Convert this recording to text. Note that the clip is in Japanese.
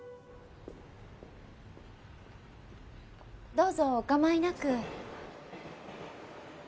どうぞお構いなく。